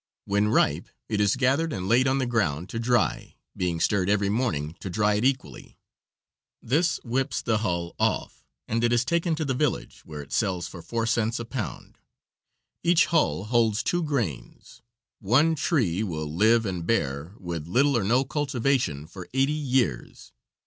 When ripe it is gathered and laid on the ground to dry, being stirred every morning to dry it equally. This whips the hull off, and it is taken to the village, where it sells for four cents a pound. Each hull holds two grains. One tree will live and bear, with little or no cultivation, for eighty years.